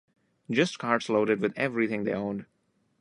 Just carts loaded with everything they owned.